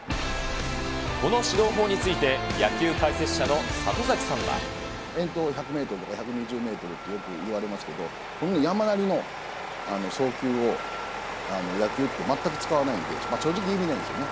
この指導法について、野球解遠投１００メートルとか、１２０メートルってよくいわれますけど、こんな山なりの送球を、野球って全く使わないんで、正直意味ないんですよね。